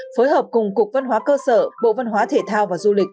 phối hợp cùng cục văn hóa cơ sở bộ văn hóa thể thao và du lịch